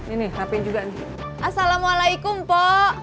ini hp juga nih assalamualaikum po